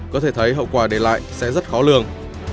có thể thấy hậu quả để lại sẽ rất khó lường